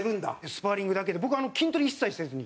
スパーリングだけで僕筋トレ一切せずに。